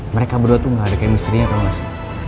mereka berdua tuh gak ada kemisterinya tau gak sih